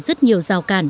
rất nhiều rào cản